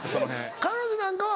彼女なんかは。